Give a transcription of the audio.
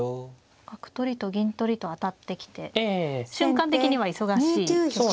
角取りと銀取りと当たってきて瞬間的には忙しい局面ですね。